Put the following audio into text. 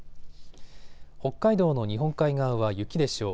北海道の日本海側は雪でしょう。